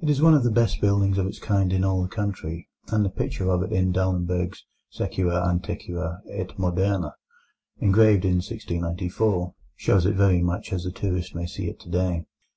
It is one of the best buildings of its kind in all the country, and the picture of it in Dahlenberg's Suecia antiqua et moderna, engraved in 1694, shows it very much as the tourist may see it today.